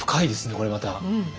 これまた。